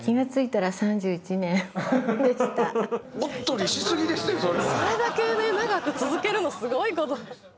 それだけね長く続けるのすごい事。